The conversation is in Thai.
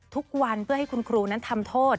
ทุกวันเพื่อให้คุณครูนั้นทำโทษ